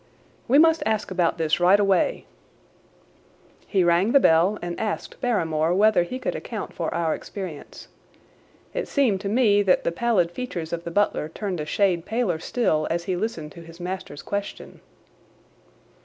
"We must ask about this right away." He rang the bell and asked Barrymore whether he could account for our experience. It seemed to me that the pallid features of the butler turned a shade paler still as he listened to his master's question.